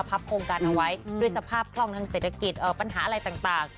โครงการเอาไว้ด้วยสภาพคล่องทางเศรษฐกิจปัญหาอะไรต่าง